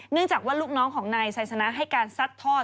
เนื่องจากว่าลูกน้องของนายสายสนักให้การซัดทอด